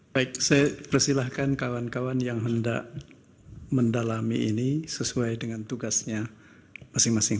baik saya persilahkan kawan kawan yang hendak mendalami ini sesuai dengan tugasnya masing masing